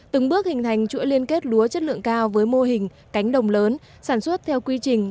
từng bước hình thành chuỗi liên kết lúa chất lượng cao với mô hình cánh đồng lớn sản xuất theo quy trình